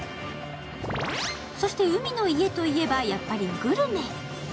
そして、海の家といえばやっぱりグルメ。